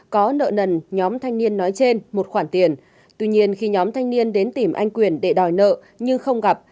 có nợ nần nhóm thanh niên nói trên một khoản tiền tuy nhiên khi nhóm thanh niên đến tìm anh quyền để đòi nợ nhưng không gặp